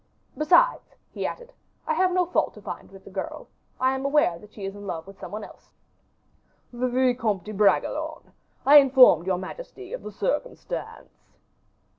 "Besides," he added, "I have no fault to find with the girl. I was quite aware that she was in love with some one else." "The Vicomte de Bragelonne. I informed your majesty of the circumstance."